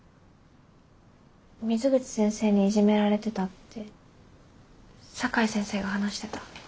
水口先生にイジメられてたって酒井先生が話してた。